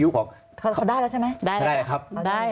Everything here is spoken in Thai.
เขาได้แล้วใช่ไหม